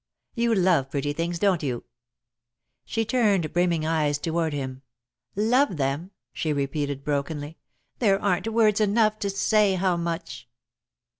"You love pretty things, don't you?" She turned brimming eyes toward him. "Love them?" she repeated, brokenly. "There aren't words enough to say how much!"